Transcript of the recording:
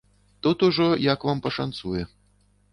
Тут ужо як вам пашанцуе.